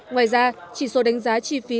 ngoài ra chỉ số đánh giá chi phí